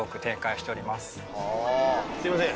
すいません。